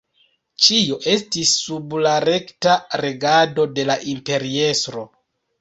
Ĉio estis sub la rekta regado de la imperiestro.